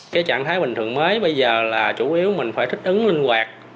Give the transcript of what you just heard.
cái trạng thái bình thường mới bây giờ là chủ yếu mình phải thích ứng linh hoạt